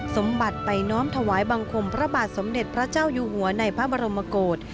สมบัติไปน้อมถวายบังคมพระบาทสมเด็จพระเจ้าอยู่หัวในพระบรมโกศ